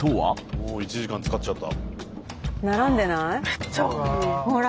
もう１時間使っちゃった。